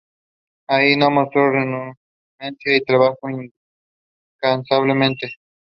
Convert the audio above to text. The exploration was cut short because of weather and other calamities.